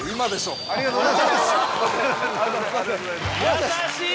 優しい！